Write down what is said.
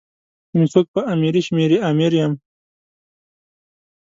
که می څوک په امیری شمېري امیر یم.